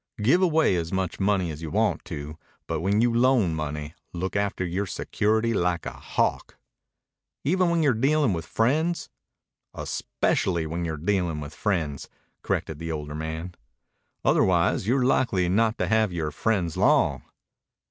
Give away as much money as you want to, but when you loan money look after your security like a hawk." "Even when you're dealing with friends?" "Especially when you're dealing with friends," corrected the older man. "Otherwise you're likely not to have your friends long."